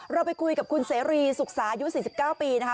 เราไปคุยกับคุณเสรีสุขสายุ๔๙ปีนะคะ